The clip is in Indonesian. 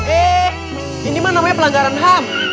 eh ini mah namanya pelanggaran ham